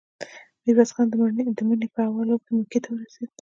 ميرويس خان د مني په اولو کې مکې ته ورسېد.